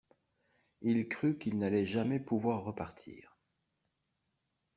Il crut qu’il n’allait jamais pouvoir repartir.